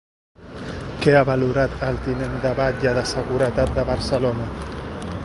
Què ha valorat el tinent de batlle de Seguretat de Barcelona?